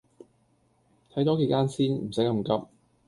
睇多幾間先，唔洗咁急